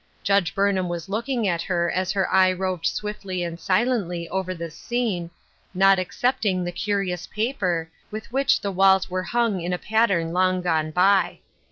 Judge Burnham was looking at her as her eye roved swiftly and silently over this scene, not except ing the curious paper, with which the walls were hung in a pattern long gone by.